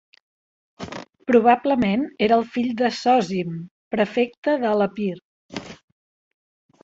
Probablement era el fill de Zòsim, prefecte de l'Epir.